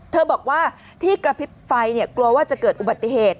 บอกว่าที่กระพริบไฟกลัวว่าจะเกิดอุบัติเหตุ